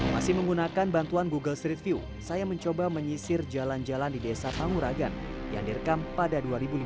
masih menggunakan bantuan google street view saya mencoba menyisir jalan jalan di desa panguragan yang direkam pada dua ribu lima belas